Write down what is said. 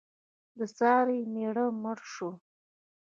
د سارې مېړه مړ شو.